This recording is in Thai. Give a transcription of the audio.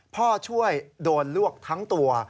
พ่อช่วยโดนลวกทั้งตัว